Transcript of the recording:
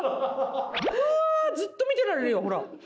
ずっと見てられるよほら。